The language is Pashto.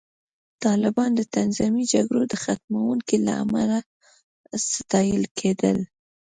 طالبان د تنظیمي جګړو د ختموونکو له امله ستایل کېدل